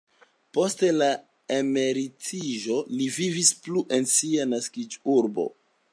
Post la emeritiĝo li vivis plu en sia naskiĝurbo.